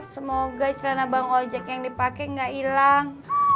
semoga celana bang ngajak yang dipake gak hilang